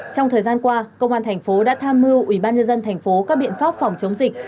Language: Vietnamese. trong thời gian qua công an tp hcm đã tham mưu ubnd tp hcm các biện pháp phòng chống dịch